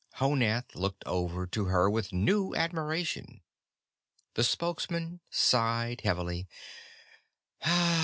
Honath looked over to her with new admiration. The Spokesman sighed heavily.